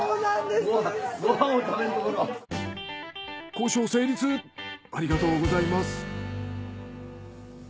交渉成立ありがとうございます。